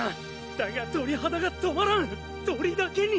だが鳥肌が止まらん鳥だけに！